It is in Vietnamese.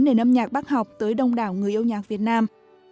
nền âm nhạc bác học tới đông đảo người yêu nhạc việt nam